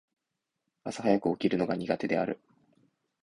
朝早く起きるのが苦手である。